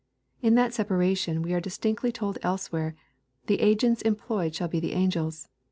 In that separation we are distinctly told elsewhere, the agents employed shall be the angels.